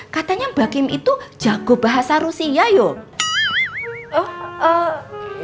katanya mbak kim itu jago bahasa rusia yuk